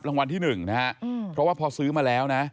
รางวัลที่๑นะฮะเพราะว่าพอซื้อมาแล้วนะ